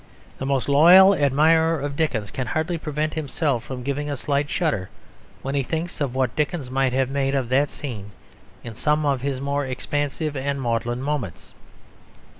The most loyal admirer of Dickens can hardly prevent himself from giving a slight shudder when he thinks of what Dickens might have made of that scene in some of his more expansive and maudlin moments.